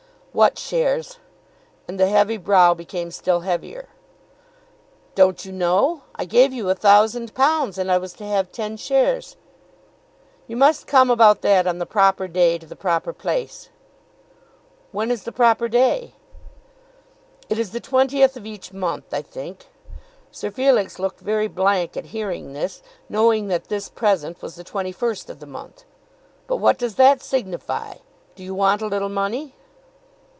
"What shares?" And the heavy brow became still heavier. "Don't you know? I gave you a thousand pounds, and I was to have ten shares." "You must come about that on the proper day, to the proper place." "When is the proper day?" "It is the twentieth of each month I think." Sir Felix looked very blank at hearing this, knowing that this present was the twenty first of the month. "But what does that signify? Do you want a little money?"